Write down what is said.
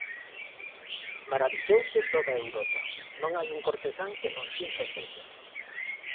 Marabillouse toda Europa, non hai un cortesán que non sinta envexa.